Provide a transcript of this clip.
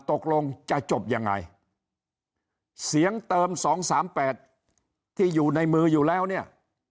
ตกลงจะจบยังไงเสียงเติม๒๓๘ที่อยู่ในมืออยู่แล้วเนี่ย